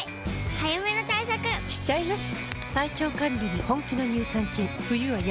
早めの対策しちゃいます。